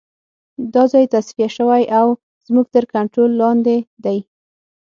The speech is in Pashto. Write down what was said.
دا ځای تصفیه شوی او زموږ تر کنترول لاندې دی